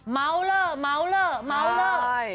เมาเลอร์เมาเลอร์เมาเลอร์